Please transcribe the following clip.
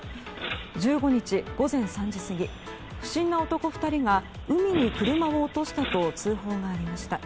１５日午前３時過ぎ不審な男２人が海に車を落としたと通報がありました。